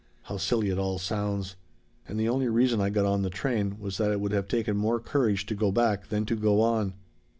How silly it all sounds! "And the only reason I got on the train was that it would have taken more courage to go back than to go on.